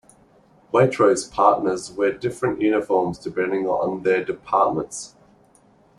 Waitrose partners wear different uniforms depending on their departments.